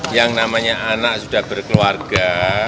yang namanya anak sudah berkeluarga